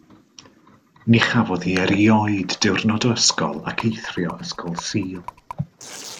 Ni chafodd hi erioed diwrnod o ysgol ac eithrio Ysgol Sul.